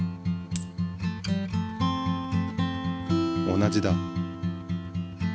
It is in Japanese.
同じだ。